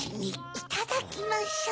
いただきましょう。